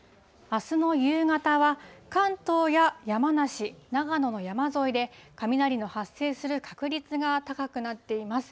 あすの夕方は、関東や山梨、長野の山沿いで雷の発生する確率が高くなっています。